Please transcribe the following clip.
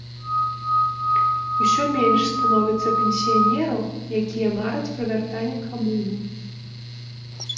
Усё менш становіцца пенсіянераў, якія мараць пра вяртанне камуны.